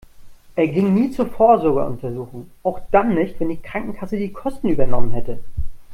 Er ging nie zur Vorsorgeuntersuchung, auch dann nicht, wenn die Krankenkasse die Kosten übernommen hätte.